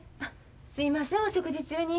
すいませんお食事中に。